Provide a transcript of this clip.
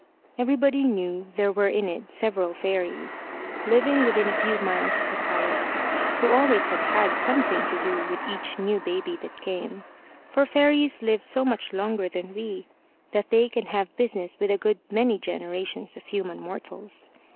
Everybody knew there were in it several fairies, living within a few miles of the palace, who always had had something to do with each new baby that came; for fairies live so much longer than we, that they can have business with a good many generations of human mortals.